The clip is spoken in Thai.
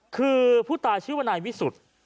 คือผู้ตายชื่อวนายวิสุทธิ์